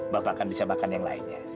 bapak akan bisa makan yang lainnya